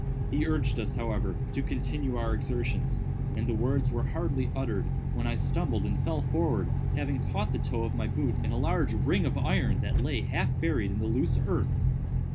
He urged us, however, to continue our exertions, and the words were hardly uttered when I stumbled and fell forward, having caught the toe of my boot in a large ring of iron that lay half buried in the loose earth.